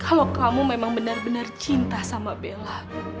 kalau kamu memang benar benar cinta sama bella